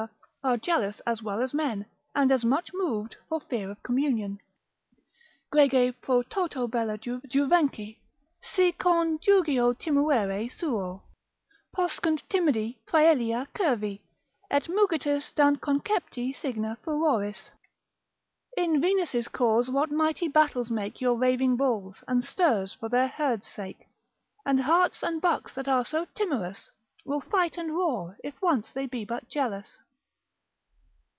are jealous as well as men, and as much moved, for fear of communion. Grege pro toto bella juvenci, Si con jugio timuere suo, Poscunt timidi praelia cervi, Et mugitus dant concepti signa furoris. In Venus' cause what mighty battles make Your raving bulls, and stirs for their herd's sake: And harts and bucks that are so timorous, Will fight and roar, if once they be but jealous.